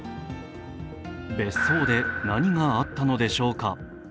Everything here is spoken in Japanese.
別荘で何があったのでしょうか。